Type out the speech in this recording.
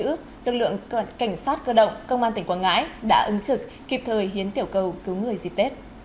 công an tỉnh quảng ngãi đã ứng trực kịp thời hiến tiểu cầu cứu người dịp tết